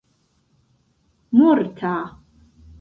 morta